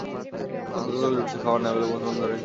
আপনার দলকেই লুঠছে, খাবার না পেলে মুসলমান ধরেই খেয়ে ফেললে।